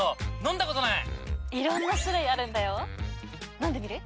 飲んでみる？